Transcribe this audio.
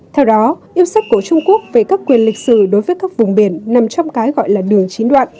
theo đó yêu sách của trung quốc về các quyền lịch sử đối với các vùng biển nằm trong cái gọi là đường chín đoạn